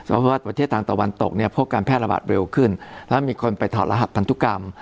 เพราะว่าประเทศทางตะวันตกเนี่ยพบการแพร่ระบาดเร็วขึ้นแล้วมีคนไปถอดรหัสพันธุกรรม